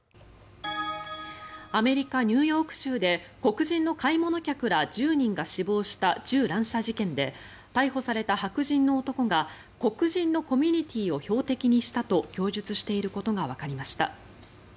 アメリカ・ニューヨーク州で黒人の買い物客ら１０人が死亡した銃乱射事件で逮捕された白人の男が黒人のコミュニティーを標的にしたと供述していることがわかりました。